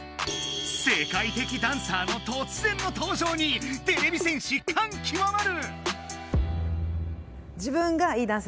世界的ダンサーの突然の登場にてれび戦士かんきわまる！